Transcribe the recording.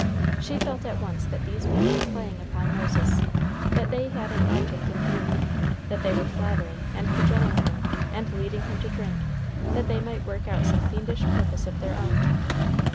She felt at once that these men were playing upon Moses; that they had an object in view; that they were flattering and cajoling him, and leading him to drink, that they might work out some fiendish purpose of their own.